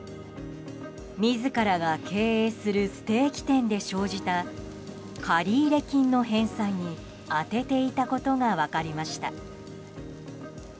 自らが経営するステーキ店で生じた借入金の返済に充てていたことが分かりました。